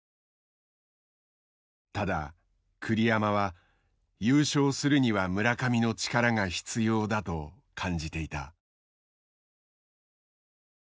ただ栗山は優勝するには村上の力が必要だと感じていた。